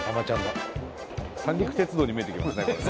三陸鉄道に見えてきますね